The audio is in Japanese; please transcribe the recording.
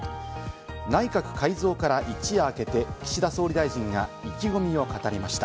内閣改造から一夜明けて、岸田総理大臣が意気込みを語りました。